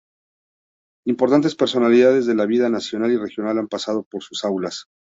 Importantes personalidades de la vida nacional y regional han pasado por sus aulas.